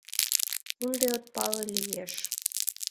— Ынде от пале лиеш...